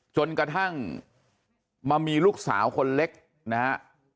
จนกระทั่งมามีลูกสาวคนเล็กนะฮะ